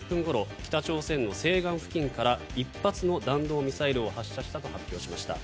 北朝鮮の西岸付近から１発の弾道ミサイルを発射したと発表しました。